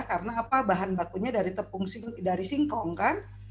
karena bahan bakunya dari singkong kan